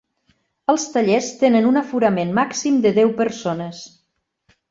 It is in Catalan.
Els tallers tenen un aforament màxim de deu persones.